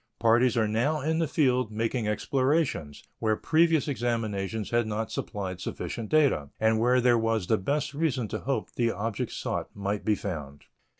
Parties are now in the field making explorations, where previous examinations had not supplied sufficient data and where there was the best reason to hope the object sought might be found.